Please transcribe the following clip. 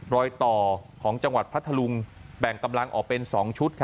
รอยต่อของจังหวัดพัทธลุงแบ่งกำลังออกเป็น๒ชุด